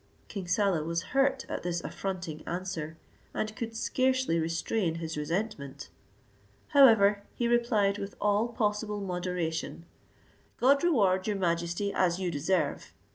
King Saleh was hurt at this affronting answer, and could scarcely restrain his resentment; however he replied with all possible moderation, "God reward your majesty as you deserve!